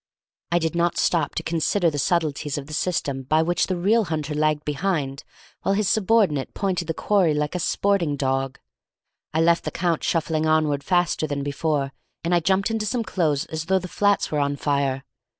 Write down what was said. I did not stop to consider the subtleties of the system by which the real hunter lagged behind while his subordinate pointed the quarry like a sporting dog. I left the Count shuffling onward faster than before, and I jumped into some clothes as though the flats were on fire.